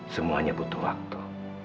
semuanya butuh waktu